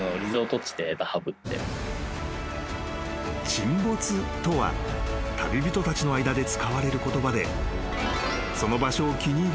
［沈没とは旅人たちの間で使われる言葉で］